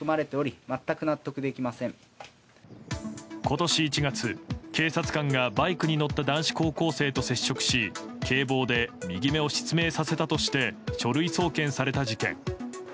今年１月、警察官がバイクに乗った男子高校生と接触し警棒で右目を失明させたとして書類送検された事件。